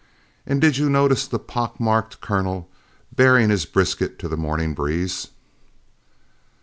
And did you notice the pock marked colonel, baring his brisket to the morning breeze?"